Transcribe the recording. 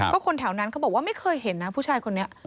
ก็คนแถวนั้นเขาบอกว่าไม่เคยเห็นนะผู้ชายคนนี้